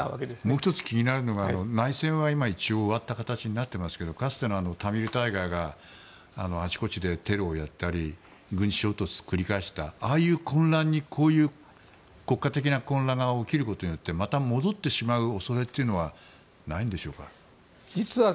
もう１つ気になるのが内戦は今、一応終わった形になっていますがかつてのタミルタイガーがあちこちでテロをやったり軍事衝突を繰り返した混乱にこういう国家的な混乱が起きることによってまた戻ってしまう恐れというのはないんでしょうか。